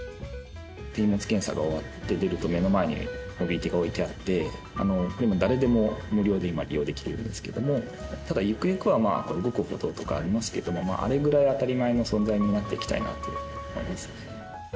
荷物検査が終わって出ると目の前にモビリティが置いてあって誰でも無料で今利用できるんですけどもただゆくゆくは動く歩道とかありますけどもあれくらい当たり前の存在になっていきたいなと思います。